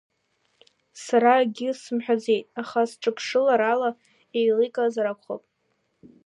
Сара акгьы сымҳәаӡеит, аха сҿаԥшыларала еиликаазар акәхап…